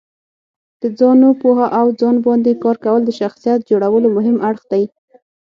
د ځانو پوهه او ځان باندې کار کول د شخصیت جوړولو مهم اړخ دی.